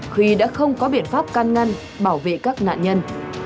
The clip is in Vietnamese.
khi đã không có biện pháp can ngăn bảo vệ các nạn nhân